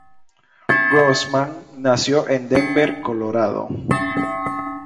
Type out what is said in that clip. Grossman nació en Denver, Colorado.